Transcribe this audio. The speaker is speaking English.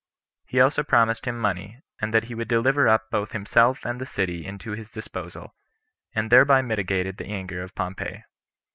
He also promised him money, and that he would deliver up both himself and the city into his disposal, and thereby mitigated the anger of Pompey.